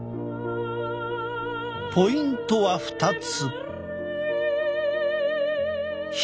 ポイントは２つ。